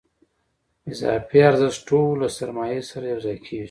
اضافي ارزښت ټول له سرمایې سره یوځای کېږي